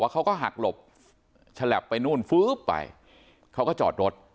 เขาก็หักหลบฉลับไปนู่นฟื๊บไปเขาก็จอดรถ